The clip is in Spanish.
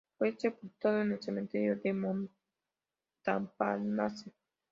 Fue sepultado en el Cementerio de Montparnasse.